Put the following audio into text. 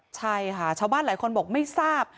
ใช่ค่ะชาวบ้านหลายคนบอกไม่ทราบ